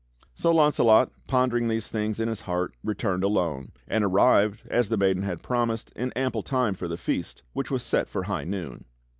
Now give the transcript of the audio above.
So Launcelot, pondering these things in his heart, returned alone; and arrived, as the maiden had promised, in ample time for the Feast which was set for high noon.